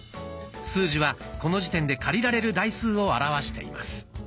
数字はこの時点で借りられる台数を表しています。